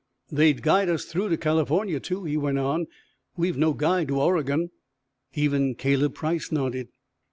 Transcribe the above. "They'd guide us through to California, too," he went on. "We've no guide to Oregon." Even Caleb Price nodded.